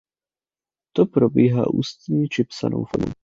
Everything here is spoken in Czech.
To probíhá ústní či psanou formou.